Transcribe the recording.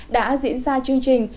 đã diễn ra chương trình